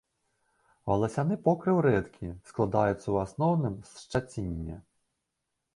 Валасяны покрыў рэдкі, складаецца ў асноўным з шчаціння.